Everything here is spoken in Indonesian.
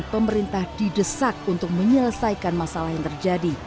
pemerintah didesak untuk menyelesaikan masalah yang terjadi